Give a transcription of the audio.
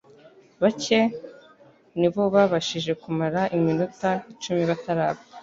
bacye nibo babashije kumara iminota icum batarapfa